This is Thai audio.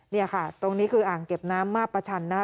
นี่ค่ะตรงนี้คืออ่างเก็บน้ำมาประชันนะคะ